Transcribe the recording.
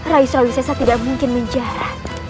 raihsrawi sesa tidak mungkin menjahat